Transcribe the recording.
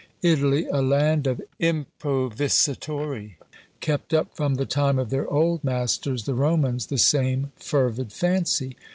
Italy, a land of Improvisatori, kept up from the time of their old masters, the Romans, the same fervid fancy.